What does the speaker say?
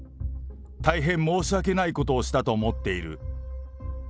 大変申し訳ないことをしたと思っている。